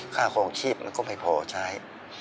คราวความชีพก็มั้ยพอใช้